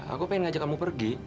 aku pengen ngajak kamu pergi